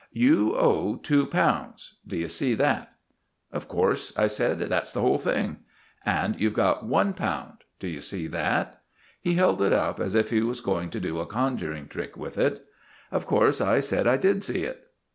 "You owe two pounds—d'you see that?" "Of course," I said. "That's the whole thing." "And you've got one pound—d'you see that?" He held it up, as if he was going to do a conjuring trick with it. Of course I said I did see it.